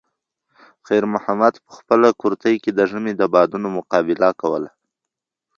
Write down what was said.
خیر محمد په خپل کورتۍ کې د ژمي د بادونو مقابله کوله.